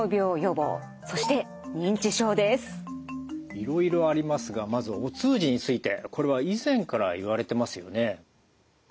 いろいろありますがまずはお通じについてこれは以前からいわれてますよね？